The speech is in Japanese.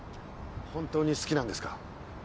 本当に好きなんですか？